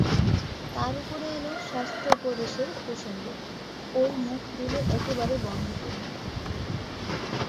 তার উপরে এল শাস্ত্র- উপদেশের প্রসঙ্গ, ওর মুখ দিলে একেবারে বন্ধ করে।